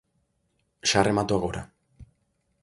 Xa remato agora.